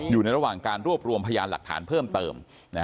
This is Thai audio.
อยู่ในระหว่างการรวบรวมพยานหลักฐานเพิ่มเติม